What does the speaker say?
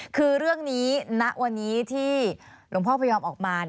คือเรื่องนี้ณวันนี้ที่หลวงพ่อพยอมออกมา